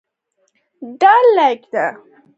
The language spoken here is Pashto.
دا لاییک ده.